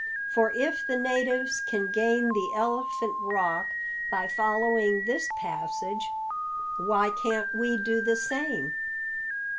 "For if the natives can gain the Elephant Rock by following this passage, why can't we do the same?